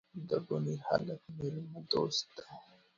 ده بونیر هلک میلمه دوست دي.